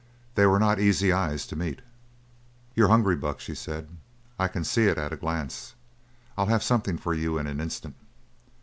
They were not easy eyes to meet. "You're hungry, Buck," she said. "I can see it at a glance. I'll have something for you in an instant."